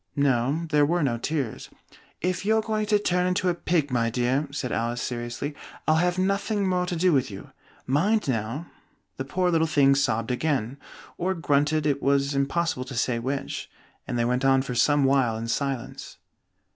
No, there were no tears. "If you're going to turn into a pig, my dear," said Alice, seriously, "I'll have nothing more to do with you. Mind now!" The poor little thing sobbed again (or grunted, it was impossible to say which), and they went on for some while in silence.